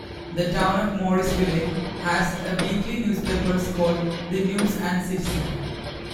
The town of Morrisville has a weekly newspapers called "The News and Citizen".